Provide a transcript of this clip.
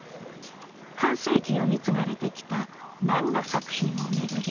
半世紀読み継がれてきた漫画作品を巡り